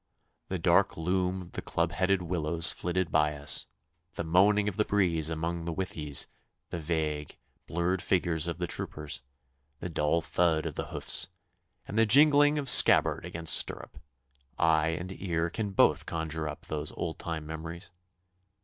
The dark loom of the club headed willows flitting by us, the moaning of the breeze among the withies, the vague, blurred figures of the troopers, the dull thud of the hoofs, and the jingling of scabbard against stirrup eye and ear can both conjure up those old time memories.